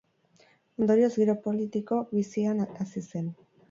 Ondorioz, giro politiko bizian hazi zen.